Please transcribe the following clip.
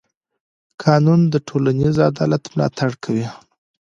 قانون د ټولنیز عدالت ملاتړ کوي.